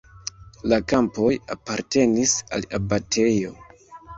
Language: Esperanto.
La kampoj apartenis al abatejo.